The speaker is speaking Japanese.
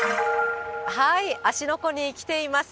芦ノ湖に来ています。